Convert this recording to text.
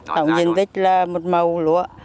tổng diện tích là một màu lúa